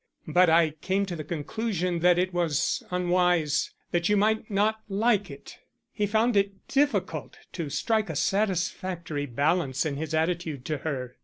"But I came to the conclusion that it was unwise that you might not like it." He found it difficult to strike a satisfactory balance in his attitude to her.